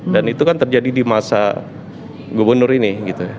dan itu kan terjadi di masa gubernur ini gitu ya